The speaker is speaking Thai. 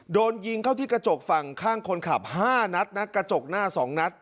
โดนยิงเข้าที่กระจกฝั่งข้างคนขับ๕นัดนะกระจกหน้า๒นัด